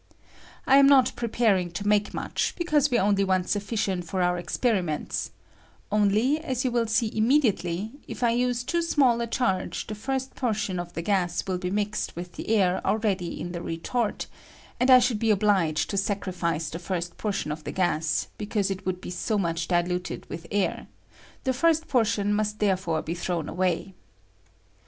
I am not preparing to mate much, because we only want sufficient for our experi ments ; only, aa you will see immediately, if I use too small a charge the first portion of the gas will be mixed with the air already in the retort, and I should be obliged to sacrifice the first portion of the gas because it would be so much diluted* with air; the first portion must therefore be thrown away.